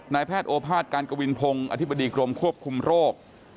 แพทย์โอภาษย์การกวินพงศ์อธิบดีกรมควบคุมโรค